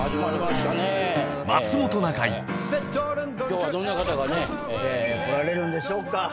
今日はどんな方がね。来られるんでしょうか。